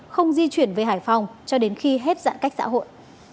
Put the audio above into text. không di chuyển về hải phòng cho đến khi hết giãn cách xã hội